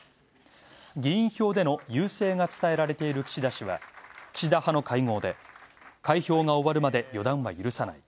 議員票での優勢が伝えられている岸田氏は、岸田派の会合で「開票が終わるまで予断は許さない。